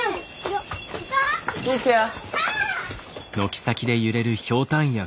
気ぃ付けや。